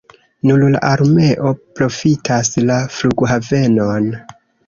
Nur la armeo profitas la flughavenon.